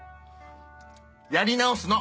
やり直すの！